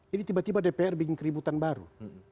tiba tiba dpr bikin keributan baru